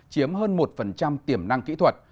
chiếm hơn một tiềm năng kỹ thuật